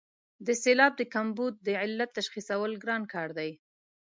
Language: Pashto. د سېلاب د کمبود د علت تشخیصول ګران کار دی.